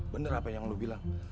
bener apa yang lu bilang